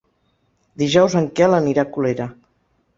Dijous en Quel anirà a Colera.